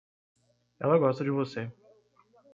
Ela gosta de você.